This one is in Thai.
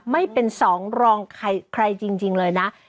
ไม่เป็นสองรองใครจริงเลยนะ